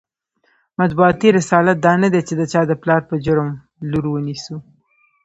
مطبوعاتي رسالت دا نه دی چې د چا د پلار په جرم لور ونیسو.